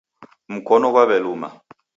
Mkono ghwaw'eluma.